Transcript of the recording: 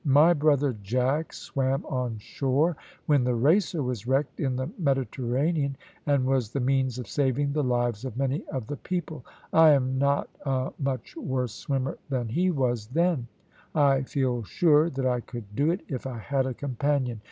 My brother Jack swam on shore when the Racer was wrecked in the Mediterranean, and was the means of saving the lives of many of the people; I am not a much worse swimmer than he was then; I feel sure that I could do it if I had a companion.